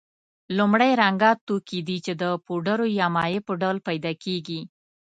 لومړی رنګه توکي دي چې د پوډرو یا مایع په ډول پیدا کیږي.